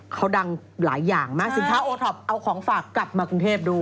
เขาดังหลายอย่างมากสินค้าโอท็อปเอาของฝากกลับมากรุงเทพด้วย